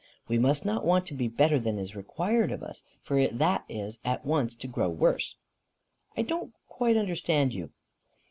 "We must not want to be better than is required of us, for that is at once to grow worse." "I don't quite understand you."